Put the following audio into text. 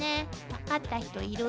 分かった人いる？